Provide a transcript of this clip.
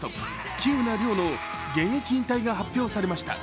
喜友名諒の現役引退が発表されました。